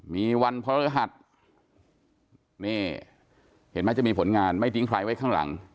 มีวันพระฤหัสนี่เห็นไหมจะมีผลงานไม่ทิ้งใครไว้ข้างหลัง